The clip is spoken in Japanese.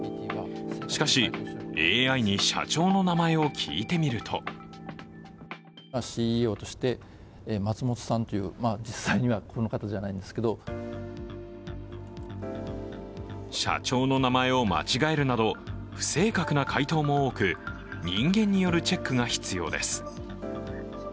しかし、ＡＩに社長の名前を聞いてみると社長の名前を間違えるなど不正確な回答も多く、人間によるチェックが必要です。